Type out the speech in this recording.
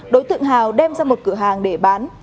đối tượng hào đem ra một cửa hàng để bán